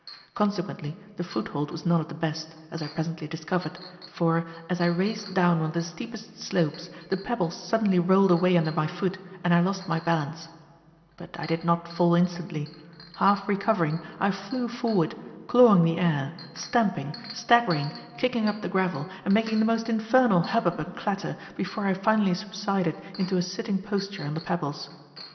Consequently, the foothold was none of the best, as I presently discovered, for, as I raced down one of the steepest slopes, the pebbles suddenly rolled away under my foot and I lost my balance. But I did not fall instantly. Half recovering, I flew forward, clawing the air, stamping, staggering, kicking up the gravel, and making the most infernal hubbub and clatter, before I finally subsided into a sitting posture on the pebbles.